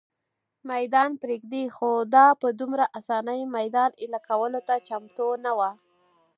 مېدان پرېږدي، خو دا په دومره آسانۍ مېدان اېله کولو ته چمتو نه وه.